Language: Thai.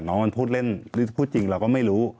น้องมันพูดเล่นหรือพูดจริงเราก็ไม่รู้